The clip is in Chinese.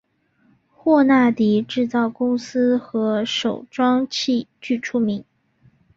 霍纳迪制造公司和手装器具出名。